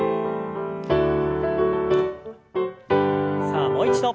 さあもう一度。